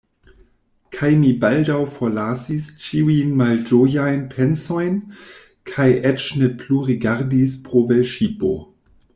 Kaj mi baldaŭ forlasis ĉiujn malĝojajn pensojn, kaj eĉ ne plu rigardis pro velŝipo.